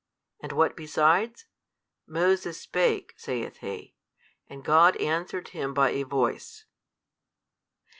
And what besides? Moses spake (saith he) and God answered him by a voice.